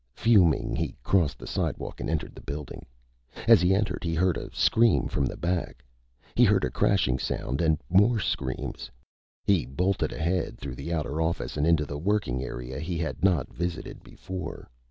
Fuming, he crossed the sidewalk and entered the building. As he entered, he heard a scream from the back. He heard a crashing sound and more screams. He bolted ahead, through the outer office and into the working area he had not visited before.